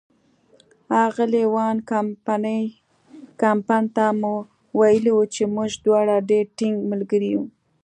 اغلې وان کمپن ته مو ویلي وو چې موږ دواړه ډېر ټینګ ملګري یو.